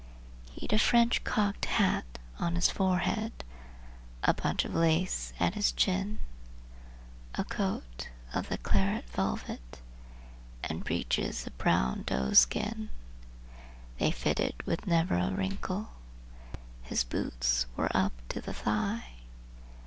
He'd a French cocked hat on his forehead, and a bunch of lace at his chin; He'd a coat of the claret velvet, and breeches of fine doe skin. They fitted with never a wrinkle; his boots were up to his thigh!